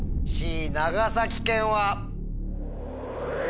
Ｃ長崎県は？